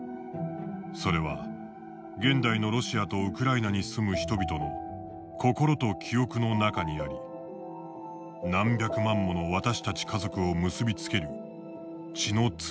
それは現代のロシアとウクライナに住む人々の心と記憶の中にあり何百万もの私たち家族を結び付ける血のつながりの中にある」。